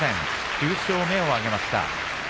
９勝目を挙げました。